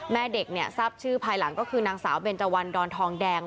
แม่เด็กเนี่ยทราบชื่อภายหลังก็คือนางสาวเบนเจวันดอนทองแดง